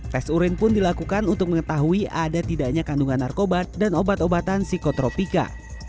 tes urin pun dilakukan untuk mengetahui ada tidaknya kandungan narkoba dan obat obatan psikotropika